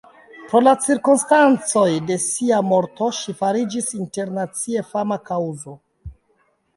Pro la cirkonstancoj de sia morto ŝi fariĝis internacie fama kaŭzo.